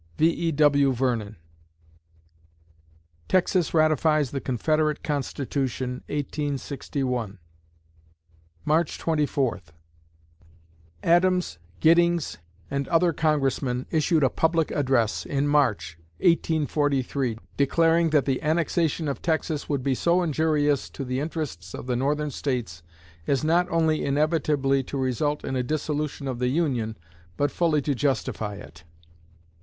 V. E. W. VERNON Texas ratifies the Confederate Constitution, 1861 March Twenty Fourth Adams, Giddings, and other Congressmen issued a public address, in March, 1843, declaring that the annexation of Texas would be "so injurious to the interests of the Northern States as not only inevitably to result in a dissolution of the Union, but fully to justify it."